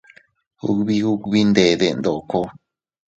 Ubi ubi ndede ndoko.